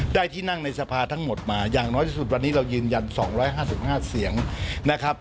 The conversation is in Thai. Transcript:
ที่นั่งในสภาทั้งหมดมาอย่างน้อยที่สุดวันนี้เรายืนยัน๒๕๕เสียงนะครับ